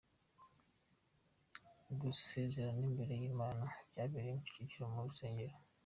Gusezerana imbere y’Imana byabereye ku Kicukiro mu rusengero